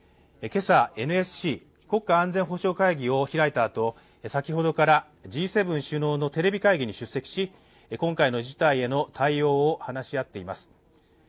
今朝、ＮＳＣ＝国家安全保障会議を開いたあと先ほどからＧ７首脳のテレビ会議に出席し今回の事態への対応を話し合っています。